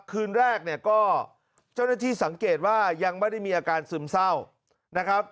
คืนแรกเนี่ยก็เจ้าหน้าที่สังเกตว่ายังไม่ได้มีอาการซึมเศร้านะครับ